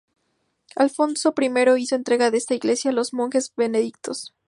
Alfonso I hizo entrega de esta iglesia a los monjes benedictinos.